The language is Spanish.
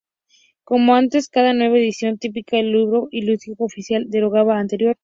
Como antes, cada nueva edición típica de un libro litúrgico oficial derogaba la anterior.